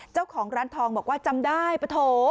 เจ้าของร้านทองบอกว่าจำได้ปะโถ